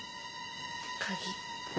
「鍵」。